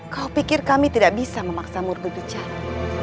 kau pikir kami tidak bisa memaksamu berbicara